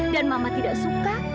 dan mama tidak suka